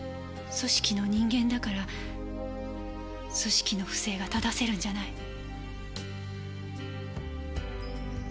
組織の人間だから組織の不正が正せるんじゃない？